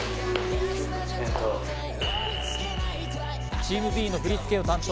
チームＢの振り付けを担当。